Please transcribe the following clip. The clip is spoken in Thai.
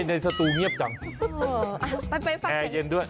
แล้วตัวเมียข้างนอก